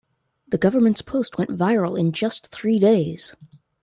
The government's post went viral in just three days.